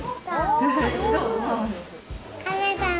カメさん